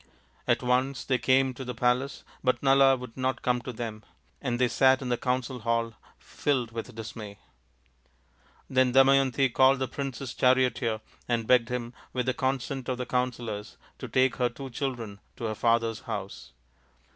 At once they came to the palace, but Nala would not come to them, and they sat in the council hall filled with dismay. Then Damayanti called the prince's charioteer and begged him, with the consent of the counsellors, to take her two children to her father's house.